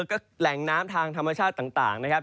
แล้วก็แหล่งน้ำทางธรรมชาติต่างนะครับ